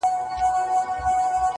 قربانۍ ته ساده ګان له حده تېر وي -